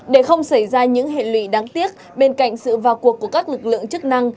để không xảy ra những hệ lụy đáng tiếc bên cạnh sự vào cuộc của các lực lượng chức năng